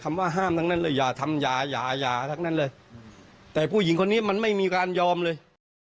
ว่าห้ามทั้งนั้นเลยอย่าทำยาอย่ายาทั้งนั้นเลยแต่ผู้หญิงคนนี้มันไม่มีการยอมเลย